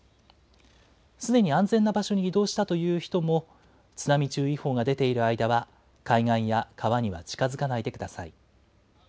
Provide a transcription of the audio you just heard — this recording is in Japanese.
すでに安全な場所に移動したという人も、津波注意報が出ている間は、海岸や川には近づかないでください。